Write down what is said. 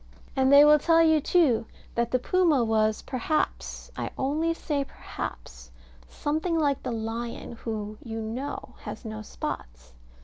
And they will tell you, too, that the puma was, perhaps I only say perhaps something like the lion, who (you know) has no spots.